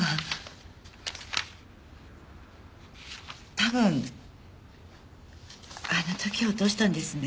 多分あの時落としたんですね。